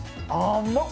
甘っ！